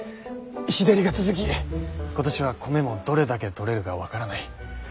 日照りが続き今年は米もどれだけ取れるか分からない。